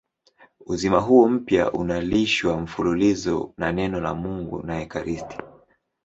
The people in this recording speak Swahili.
Uzima huo mpya unalishwa mfululizo na Neno la Mungu na ekaristi.